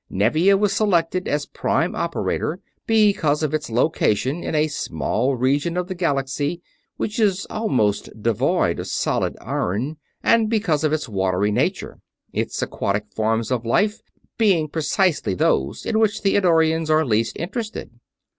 Nevia was selected as Prime Operator because of its location in a small region of the galaxy which is almost devoid of solid iron and because of its watery nature; its aquatic forms of life being precisely those in which the Eddorians are least interested.